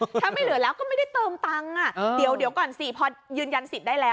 ถ้าไม่เหลือแล้วก็ไม่ได้เติมตังค์อ่ะเดี๋ยวก่อนสิพอยืนยันสิทธิ์ได้แล้ว